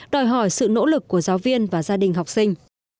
đòi hỏi sự nỗ lực của giáo viên và gia đình học sinh